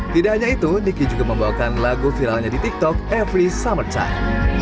tidak hanya itu niki juga membawakan lagu viralnya di tiktok every summer time